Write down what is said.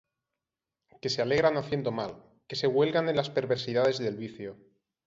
Que se alegran haciendo mal, Que se huelgan en las perversidades del vicio;